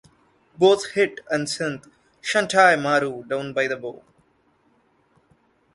Both hit and sent "Shuntai Maru" down by the bow.